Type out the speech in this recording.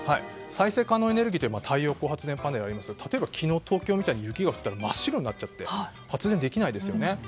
再生可能エネルギーって太陽光パネルがありますが例えば、昨日の東京みたいに雪が降ったら真っ白になっちゃって発電できないですよね。